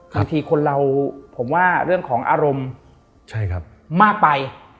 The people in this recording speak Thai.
บางทีคนเราผมว่าเรื่องของอารมณ์มากไป